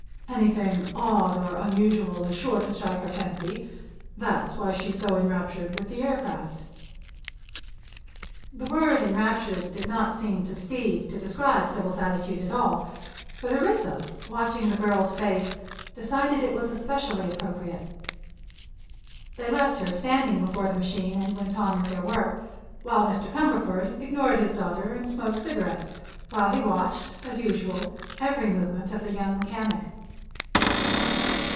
Anything odd or unusual is sure to strike her fancy; that's why she's so enraptured with the aircraft." The word enraptured did not seem, to Steve, to describe Sybil's attitude at all; but Orissa, watching the girl's face, decided it was especially appropriate. They left her standing before the machine and went on with their work, while Mr. Cumberford ignored his daughter and smoked cigarettes while he watched, as usual, every movement of the young mechanic.